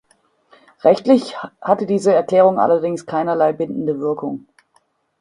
Rechtlich hatte diese Erklärung allerdings keinerlei bindende Wirkung.